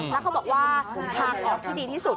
แล้วเขาบอกว่าทางออกที่ดีที่สุด